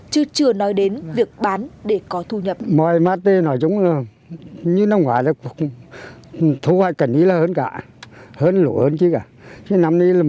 chứ chưa nói đến việc bán để có thu nhập